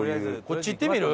こっち行ってみる？